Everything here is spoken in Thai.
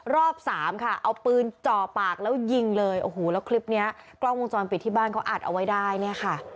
สามค่ะเอาปืนจ่อปากแล้วยิงเลยโอ้โหแล้วคลิปนี้กล้องวงจรปิดที่บ้านเขาอัดเอาไว้ได้เนี่ยค่ะ